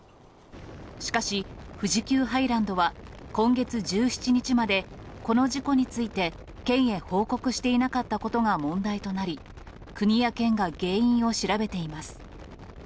しかし、富士急ハイランドは、今月１７日まで、この事故について県へ報告していなかったことが問題となり、国や県が原因を調べています。